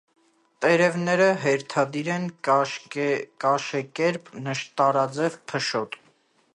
Տերևները հերթադիր են, կաշեկերպ, նշտարաձև, փշոտ։